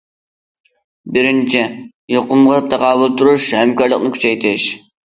بىرىنچى، يۇقۇمغا تاقابىل تۇرۇش ھەمكارلىقىنى كۈچەيتىش.